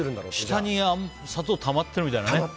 下に砂糖たまってるみたいな。